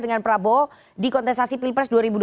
dengan prabowo di kontestasi pilpres dua ribu dua puluh